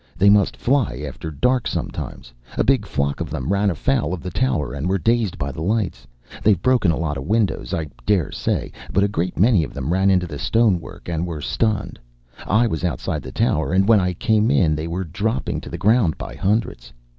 "They must fly after dark sometimes. A big flock of them ran afoul of the tower and were dazed by the lights. They've broken a lot of windows, I dare say, but a great many of them ran into the stonework and were stunned. I was outside the tower, and when I came in they were dropping to the ground by hundreds.